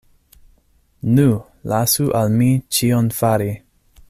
Nu, lasu al mi ĉion fari!